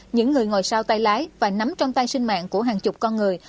những người ngồi sau tay lái và nắm trong tay sinh mạng của hàng chục con người